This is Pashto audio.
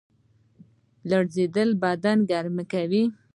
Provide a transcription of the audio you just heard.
لړزیدل بدن ګرموي